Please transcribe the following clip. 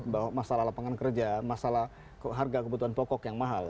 bahwa masalah lapangan kerja masalah harga kebutuhan pokok yang mahal